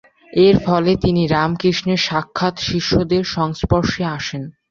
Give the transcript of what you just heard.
এর ফলে তিনি রামকৃষ্ণের সাক্ষাৎ শিষ্যদের সংস্পর্শে আসেন।